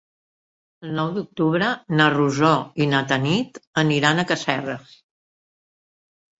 El nou d'octubre na Rosó i na Tanit aniran a Casserres.